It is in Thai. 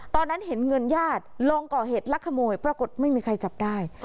ตอนนั้นเห็นเงินญาติลองก่อเหตุลักขโมยปรากฏไม่มีใครจับได้